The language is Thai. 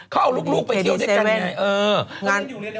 เขาเอาลูกไปเที่ยวด้วยกันไง